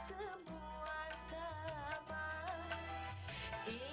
saya ada selfie